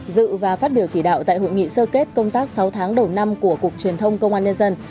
dự và phát biểu chỉ đạo tại hội nghị sơ kết công tác sáu tháng đầu năm của cục truyền thông công an nhân dân